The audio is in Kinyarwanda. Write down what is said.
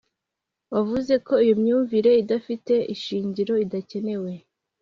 wavuze ko ‘iyo myumvire idafite ishingiro idakenewe’